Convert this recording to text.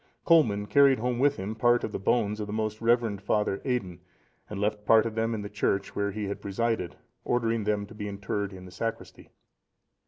Colman carried home with him part of the bones of the most reverend Father Aidan, and left part of them in the church where he had presided, ordering them to be interred in the sacristy.